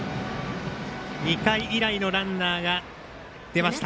２回以来のランナーが出ました。